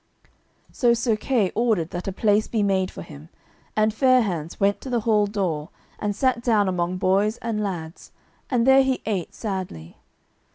So Sir Kay ordered that a place be made for him, and Fair hands went to the hall door, and sat down among boys and lads, and there he ate sadly.